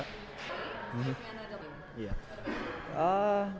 pertama kali kamu main lagu